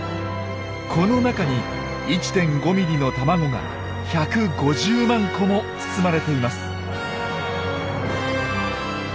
この中に１．５ｍｍの卵が１５０万個も包まれています。